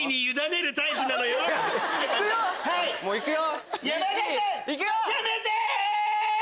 もういくよ。